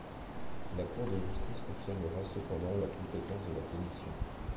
La Cour de Justice confirmera cependant la compétence de la Commission.